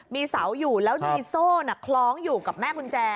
มีเสาอยู่แล้วมีโซ่คล้องอยู่กับแม่กุญแจ